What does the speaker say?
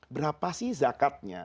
berapa sih zakatnya